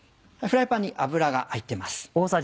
フライパンに油が入ってます。